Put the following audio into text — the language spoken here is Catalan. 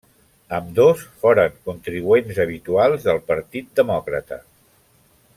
Ambdós foren contribuents habituals del Partit Demòcrata.